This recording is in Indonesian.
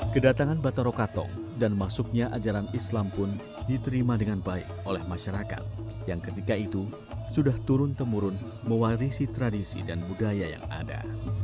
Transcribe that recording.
kedatangan batarokato dan masuknya ajaran islam pun diterima dengan baik oleh masyarakat yang ketika itu sudah turun temurun mewarisi tradisi dan budaya yang ada